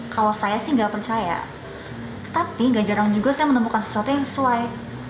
kalau saya sih nggak percaya tapi gak jarang juga saya menemukan sesuatu yang sesuai